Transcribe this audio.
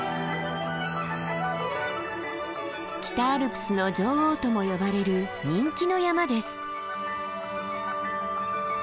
「北アルプスの女王」とも呼ばれる人気の山です。